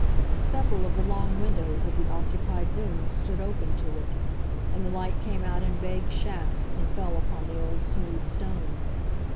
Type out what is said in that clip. Several of the long windows of the occupied rooms stood open to it, and the light came out in vague shafts and fell upon the old smooth stones.